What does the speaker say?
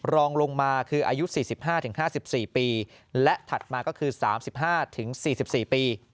รองลงมาคืออายุ๔๕๕๔ปีและถัดมาก็คือ๓๕๔๔ปี